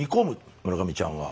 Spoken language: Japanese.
村上ちゃんは？